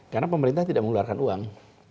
karena pemerintah tidak mengeluarkan uang